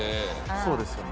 そうですよね。